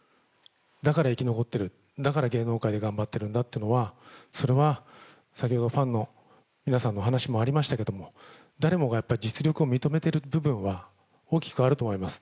だから生き残っている、だから、芸能界で頑張ってるんだっていうのは、それは先ほどファンの皆さんの話もありましたけれども、誰もがやっぱり、実力を認めてる部分は大きくあると思います。